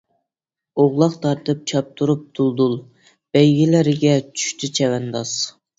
ئوغلاق تارتىپ چاپتۇرۇپ دۇلدۇل، بەيگىلەرگە چۈشتى چەۋەنداز.